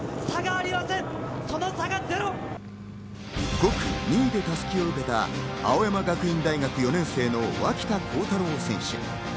５区、２位で襷を受けた青山学院大学４年生の脇田幸太朗選手。